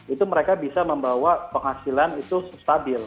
itu mereka bisa membawa penghasilan itu stabil